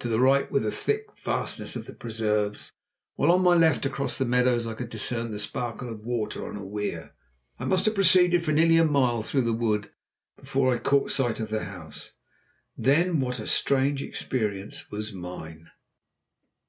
To the right were the thick fastnesses of the preserves; while on my left, across the meadows I could discern the sparkle of water on a weir. I must have proceeded for nearly a mile through the wood before I caught sight of the house. Then, what a strange experience was mine.